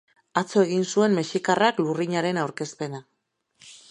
Atzo egin zuen mexikarrak lurrinaren aurkezpena.